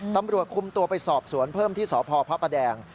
ตำรวจคุมตัวไปสอบสวนเพิ่มที่สพพระประแดง